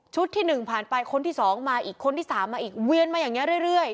ชุดที่หนึ่งผ่านไปคนที่สองมาอีกคนที่สามมาอีกเวียนมาอย่างนี้เรื่อย